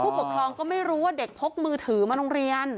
ปกครองก็ไม่รู้ว่าเด็กพกมือถือมาโรงเรียน